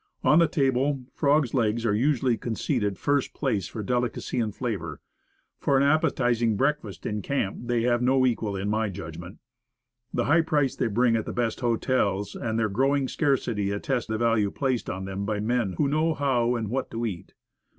On the table, frogs' legs are usually conceded first place for delicacy and flavor. For an appetizing breakfast in camp, they have no equal, in my judgment. The high price they bring at the best hotels, and their growing scarcity, attest the value placed on them by men who know how and what to eat.